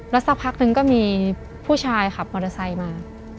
แล้วสักพักนึงก็มีผู้ชายขับมอเตอร์ไซค์มา